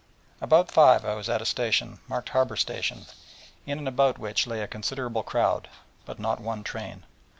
About five I was at a station, marked Harbour Station, in and about which lay a considerable crowd, but not one train.